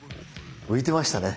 浮いてましたね。